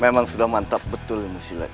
memang sudah mantap betul emosi leto sekarang ini